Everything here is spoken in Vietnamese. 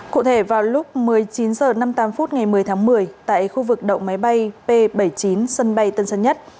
cụ thể vào lúc một mươi chín h năm mươi tám phút ngày một mươi tháng một mươi tại khu vực đậu máy bay p bảy mươi chín sân bay tân sơn nhất